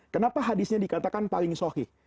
kenapa hadisnya dikatakan paling sohih